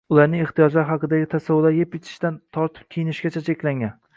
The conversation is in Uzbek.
Ularning ehtiyojlari haqidagi tasavvurlari yeb -ichishdan tortib kiyinishgacha cheklangan